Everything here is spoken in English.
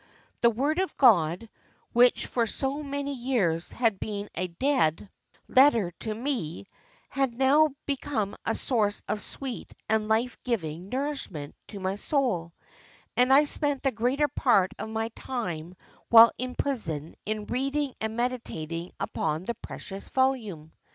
The Word of God, which for so many years had been a dead letter to me, had now become a source of sweet and life giving nourishment to my soul; and I spent the greater part of my time while in prison in reading and meditating upon the precious volume.